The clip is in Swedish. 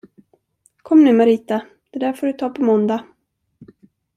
Kom nu, Marita, det där får du ta på måndag!